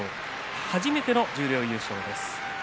初めての十両優勝です。